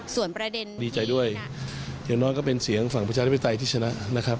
ส่วนประเด็นดีใจด้วยอย่างน้อยก็เป็นเสียงฝั่งประชาธิปไตยที่ชนะนะครับ